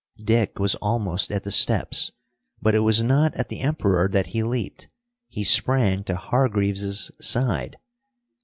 Dick was almost at the steps. But it was not at the Emperor that he leaped. He sprang to Hargreaves's side.